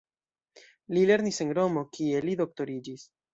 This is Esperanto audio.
Li lernis en Romo, kie li doktoriĝis.